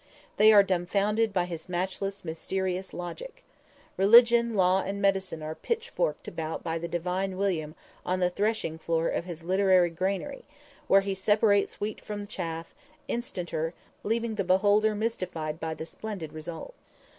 They are dumfounded by his matchless mysterious logic. Religion, law and medicine are pitchforked about by the Divine William on the threshing floor of his literary granary, where he separates wheat from chaff, instanter, leaving the beholder mystified by the splendid result.